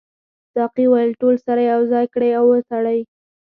ساقي وویل ټول سره یو ځای کړئ او وتړئ.